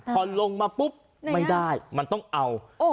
พอลงมาปุ๊บไม่ได้มันต้องเอา